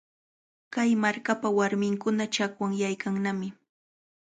Kay markapa warminkuna chakwanyaykannami.